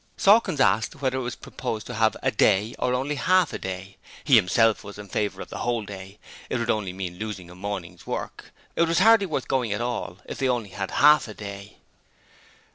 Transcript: Sawkins asked whether it was proposed to have a day or only half a day. He himself was in favour of the whole day. It would only mean losing a morning's work. It was hardly worth going at all if they only had half the day.